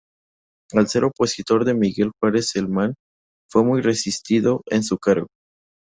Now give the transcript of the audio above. Al ser opositor de Miguel Juárez Celman, fue muy resistido en su cargo.